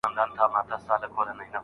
آیا د مار حرکت د چینجي تر حرکت ګړندی دی؟